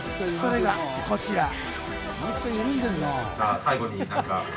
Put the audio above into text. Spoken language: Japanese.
それがこちら。